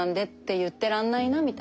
言ってらんない。